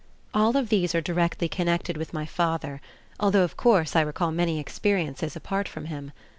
All of these are directly connected with my father, although of course I recall many experiences apart from him.